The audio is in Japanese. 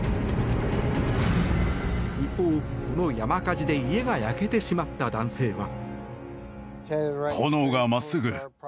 一方、この山火事で家が焼けてしまった男性は。